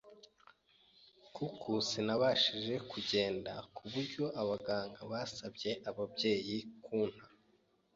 kuku sinabashije kugenda ku buryo abaganga basabye ababyeyi kunta